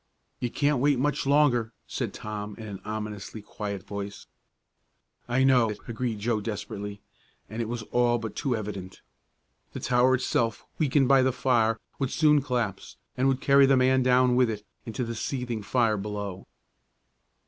"You can't wait much longer," said Tom, in an ominously quiet voice. "I know it," agreed Joe desperately, and it was but too evident. The tower itself, weakened by the fire, would soon collapse, and would carry the man down with it into the seething fire below.